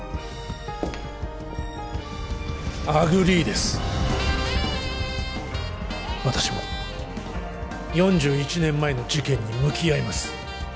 アグリーです私も４１年前の事件に向き合います